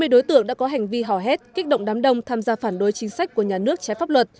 hai mươi đối tượng đã có hành vi hò hét kích động đám đông tham gia phản đối chính sách của nhà nước trái pháp luật